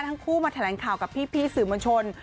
ทั้งคู่มาแถลงข่าวกับพี่สื่อมวลชน